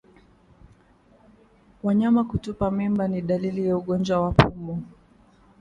Wanyama kutupa mimba ni dalili ya ugonjwa wa pumu